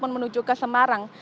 menuju ke semarang